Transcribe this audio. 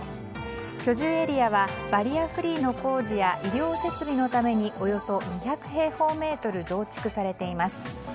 居住エリアはバリアフリーの工事や医療設備のためにおよそ２００平方メートル増築されています。